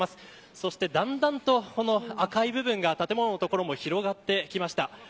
そして、だんだんと赤い部分が建物の所も広がってきました。